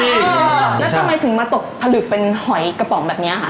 แล้วทำไมถึงมาตกผลึกเป็นหอยกระป๋องแบบนี้ค่ะ